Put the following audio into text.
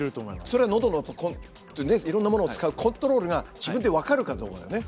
それはのどのいろんなものを使うコントロールが自分で分かるかどうかだよね。